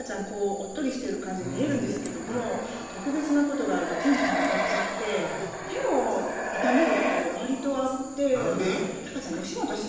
おっとりしてる感じに見えるんですけども特別なことがあるとテンション上がっちゃって手を痛めることがわりとあってなんで？